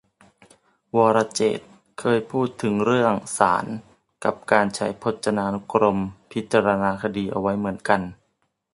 วรเจตน์ เคยพูดถึงเรื่องศาลกับการใช้พจนานุกรมพิจารณาคดีเอาไว้เหมือนกัน